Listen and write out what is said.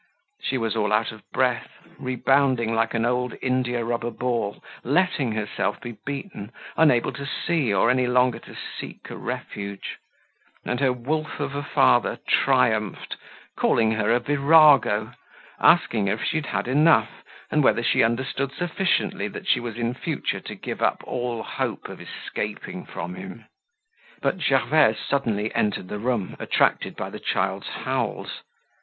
She was all out of breath, rebounding like an india rubber ball, letting herself be beaten, unable to see or any longer to seek a refuge. And her wolf of a father triumphed, calling her a virago, asking her if she had had enough and whether she understood sufficiently that she was in future to give up all hope of escaping from him. But Gervaise suddenly entered the room, attracted by the child's howls.